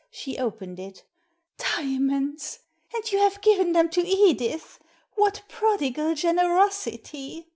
She opened it "Diamonds! And you have given them to Edith! What prodigal generosity